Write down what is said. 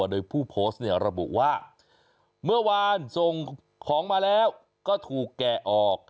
โดยผู้โพสต์เนี่ยระบุว่าเมื่อวานส่งของมาแล้วก็ถูกแกะออก